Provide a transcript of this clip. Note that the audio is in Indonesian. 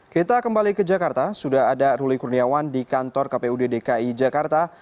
kita kembali ke jakarta sudah ada ruli kurniawan di kantor kpud dki jakarta